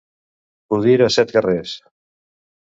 Pudir a set carrers.